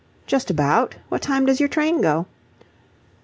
"Just about. What time does your train go?"